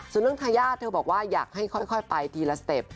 ส่วนเรื่องทายาทเธอบอกว่าอยากให้ค่อยไปทีละสเต็ป